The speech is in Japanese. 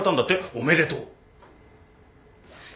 おめでとう。